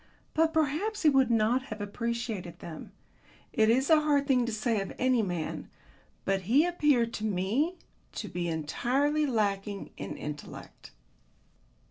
But perhaps he would not have appreciated them. It is a hard thing to say of any man, but he appeared to me to be entirely lacking in intellect.